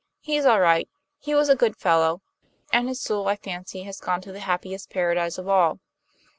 He's all right; he was a good fellow, and his soul, I fancy, has gone to the happiest paradise of all."